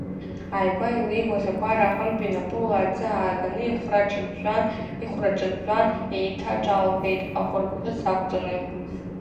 Ааигәа илеиуаз акәара аҟынтәи напыла аӡы ааганы ихәра ҿыӡәӡәаан еиҭа ҿалҳәеит, ахәырбӷьыц ақәҵаны.